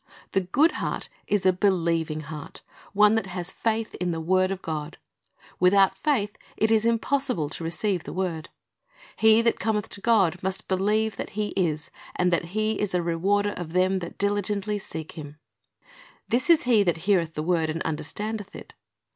The good heart is a beheving heart, one that has faith in the word of God. Without faith it is impossible to receiv^e the word. "He that cometh to God must beheve that He is, and that He is a rewarder of them that dihgently seek Him."' This "is he that heareth the word, and understandeth it."